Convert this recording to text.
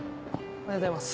おはようございます。